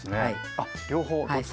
あっ両方どっちでも。